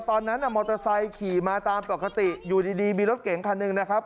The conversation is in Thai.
ตอนนั้นมอเตอร์ไซค์ขี่มาตามปกติอยู่ดีมีรถเก๋งคันหนึ่งนะครับ